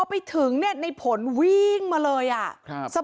พอไปถึงเนี่ยในผลวิ่งมาเลยอ่ะครับ